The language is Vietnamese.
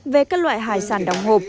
về các loại hải sản đóng hộp